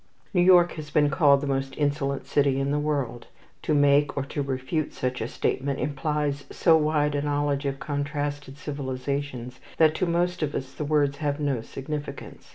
New York has been called the most insolent city in the world. To make or to refute such a statement implies so wide a knowledge of contrasted civilizations that to most of us the words have no significance.